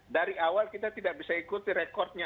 dari awal kita tidak bisa ikuti rekodnya